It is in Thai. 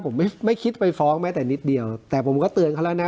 ผมไม่ไม่คิดไปฟ้องแม้แต่นิดเดียวแต่ผมก็เตือนเขาแล้วนะ